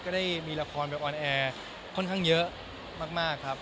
ได้มีละครไปออนแอร์ค่อนข้างเยอะมากครับ